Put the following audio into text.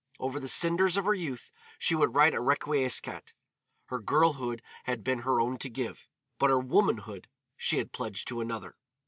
Over the cinders of her youth she would write a Requiescat. Her girlhood had been her own to give, but her womanhood she had pledged to another.